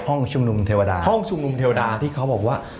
ห้องชุมนุมเทวดาห้องชุมนุมเทวดาที่เขาบอกว่า